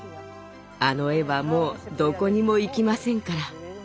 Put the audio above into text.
あの絵はもうどこにも行きませんから。